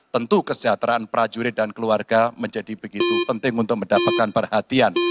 tentu kesejahteraan prajurit dan keluarga menjadi begitu penting untuk mendapatkan perhatian